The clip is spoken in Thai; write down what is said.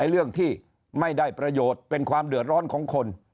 เรื่องที่ไม่ได้ประโยชน์เป็นความเดือดร้อนของคน